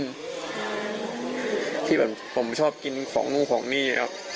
อย่างที่ผมชอบของนู่นของนี่